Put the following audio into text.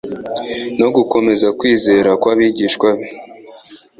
no gukomeza kwizera kw’abigishwa be